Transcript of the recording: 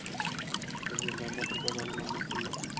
একদল জান্নাতের পথ অবলম্বন করল।